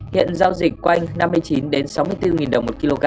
hiện giao dịch quanh năm mươi chín sáu mươi bốn đồng một kg